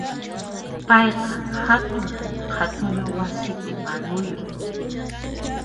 Payqa hatun qhatuna wasipi manuyuq.